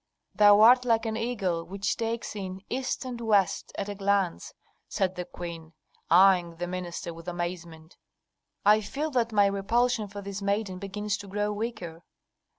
"Thou art like an eagle which takes in East and West at a glance," said the queen, eying the minister with amazement. "I feel that my repulsion for this maiden begins to grow weaker."